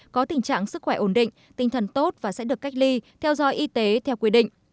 có tình trạng sức khỏe ổn định tinh thần tốt và sẽ được cách ly theo dõi y tế theo quy định